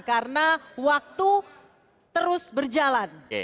karena waktu terus berjalan